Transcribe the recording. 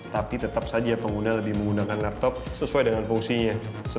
tapi tetap saja pengguna lebih menggunakan laptop sesuai dengan fungsinya